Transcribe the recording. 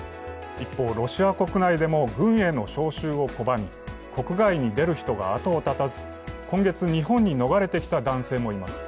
一方、ロシア国内でも軍への招集を拒み国外に出る人が後を絶たず、今月、日本に逃れてきた男性もいます。